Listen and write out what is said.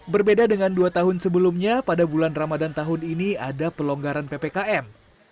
berbeda dengan dua tahun sebelumnya pada bulan ramadan tahun ini ada pelonggaran ppkm